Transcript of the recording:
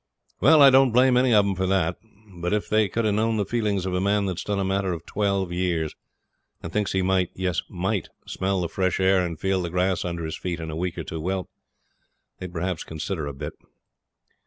Well, I don't blame any of 'em for that; but if they could have known the feelings of a man that's done a matter of twelve years, and thinks he might yes, might smell the fresh air and feel the grass under his feet in a week or two well, they'd perhaps consider a bit.